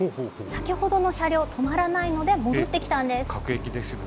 先ほどの車両、止まらないので戻ってきたんです。